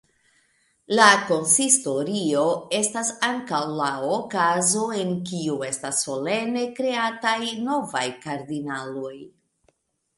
La konsistorio estas ankaŭ la okazo en kiu estas solene "kreataj" novaj kardinaloj.